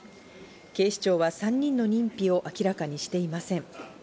警視庁は３人の認否を明らかにしていません。